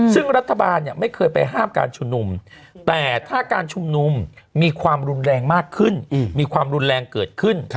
ซึ่งรัฐบาลเนี่ยไม่เคยไปห้ามการชุมนุมแต่ถ้าการชุมนุมมีความรุนแรงมากขึ้นมีความรุนแรงเกิดขึ้น